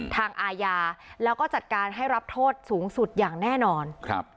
ทางอาญาแล้วก็จัดการให้รับโทษสูงสุดอย่างแน่นอน